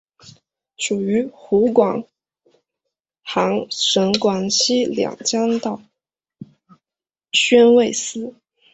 属于湖广行省广西两江道宣慰司。